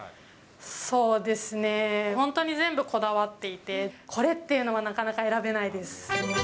そうですね、本当に全部こだわっていて、これっていうのはなかなか選べないです。